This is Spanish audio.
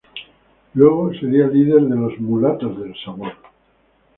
Luego sería líder de los "Mulatos del Sabor".